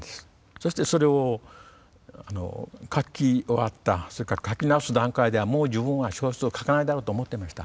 そしてそれを書き終わったそれから書き直す段階ではもう自分は小説を書かないだろうと思ってました。